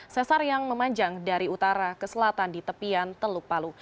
sesar yang memanjang dari utara ke selatan di tepian teluk palu